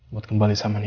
buat kembali sama nino